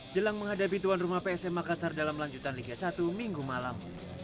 jelang menghadapi tuan rumah psm makassar dalam lanjutan liga satu minggu malam